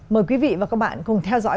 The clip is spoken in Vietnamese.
mời quý vị và các bạn cùng theo dõi